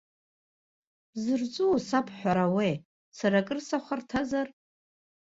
Бзырҵәуо сабҳәарауеи, сара акыр сахәарҭазар?